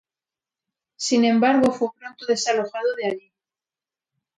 Sin embargo fue pronto desalojado de allí.